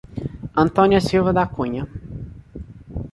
Antônia Silva da Cunha